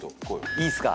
いいっすか？